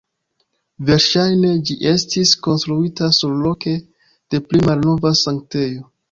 Verŝajne, ĝi estis konstruita surloke de pli malnova sanktejo.